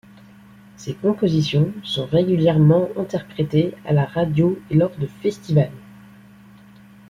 Ses compositions sont régulièrement interprétées à la radio et lors de festivals.